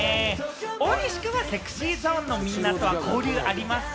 大西君はＳｅｘｙＺｏｎｅのみんなとは交流ありますか？